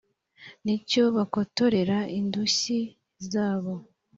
n’icyo bakotorera indushyi zabo